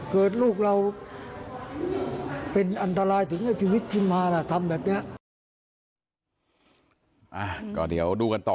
ลูกเราเป็นอันตรายถึงกับชีวิตขึ้นมาล่ะทำแบบนี้